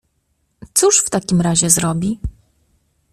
"Cóż w takim razie zrobi?"